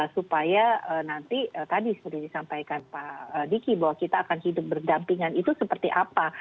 supaya nanti tadi seperti disampaikan pak diki bahwa kita akan hidup berdampingan itu seperti apa